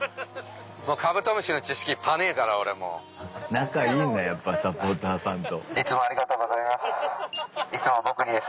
仲いいんだやっぱサポーターさんと。